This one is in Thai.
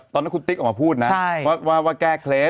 ตอนนั้นคุณติ๊กออกมาพูดนะว่าแก้เคล็ด